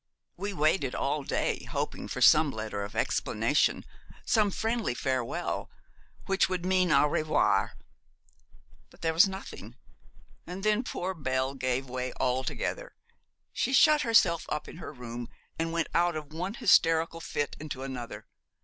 We waited all day, hoping for some letter of explanation, some friendly farewell which would mean à revoir. But there was nothing, and then poor Belle gave way altogether. She shut herself up in her room, and went out of one hysterical fit into another.